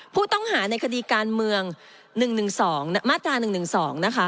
ผู้ต้องหาในคดีการเมือง๑๑๒มาตรา๑๑๒นะคะ